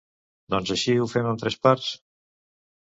Doncs així ho fem en tres parts?